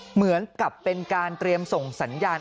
เหมือนกับเป็นการเตรียมส่งสัญญาณ